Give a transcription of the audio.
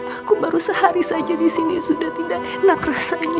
aku baru sehari saja disini sudah tidak enak rasanya